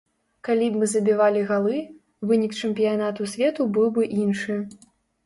Калі б мы забівалі галы, вынік чэмпіянату свету быў бы іншы.